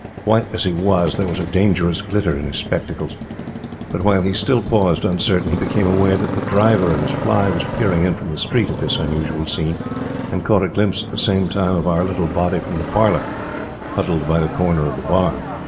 White as he was, there was a dangerous glitter in his spectacles; but while he still paused uncertain, he became aware that the driver of his fly was peering in from the street at this unusual scene and caught a glimpse at the same time of our little body from the parlour, huddled by the corner of the bar.